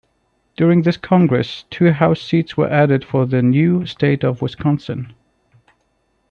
During this congress, two House seats were added for the new state of Wisconsin.